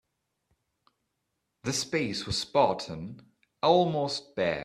The space was spartan, almost bare.